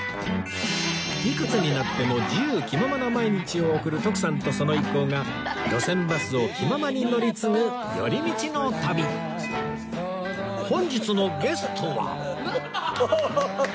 いくつになっても自由気ままな毎日を送る徳さんとその一行が路線バスを気ままに乗り継ぐ寄り道の旅本日のゲストは